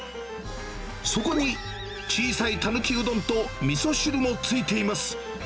そこに、小さいタヌキうどんとみそ汁もついています。